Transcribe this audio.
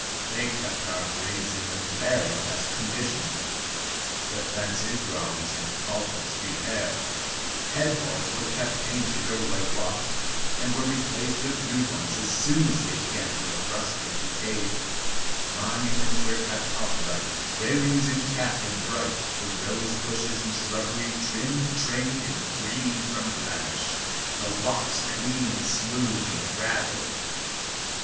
They kept our graves in the very best condition; the fences were always in faultless repair, head boards were kept painted or whitewashed, and were replaced with new ones as soon as they began to look rusty or decayed; monuments were kept upright, railings intact and bright, the rose bushes and shrubbery trimmed, trained, and free from blemish, the walks clean and smooth and graveled.